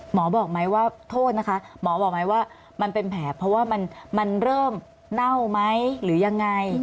หมอบอกไหมว่าโทษนะคะหมอบอกไหมว่ามันเป็นแผลเพราะว่ามันเริ่มเน่าไหมหรือยังไง